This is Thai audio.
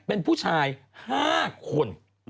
เป็นผู้ชาย๕คน